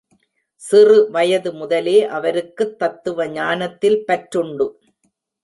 சிறு வயது முதலே அவருக்குத் தத்துவ ஞானத்தில் பற்றுண்டு.